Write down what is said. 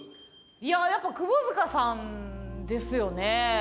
いややっぱ窪塚さんですよね。